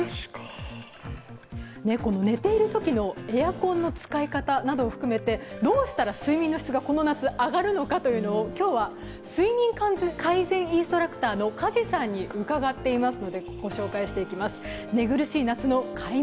寝ているときのエアコンの使い方などを含めてどうしたら睡眠の質がこの夏上がるのかということを今日は睡眠改善インストラクターの鍛治さんに伺っています。